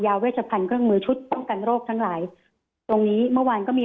เวชพันธ์เครื่องมือชุดป้องกันโรคทั้งหลายตรงนี้เมื่อวานก็มี